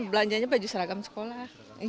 belanjanya baju seragam sekolah